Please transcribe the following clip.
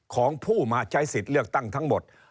ของผู้มาใช้สิทธิ์เลือกตั้งทั้งหมด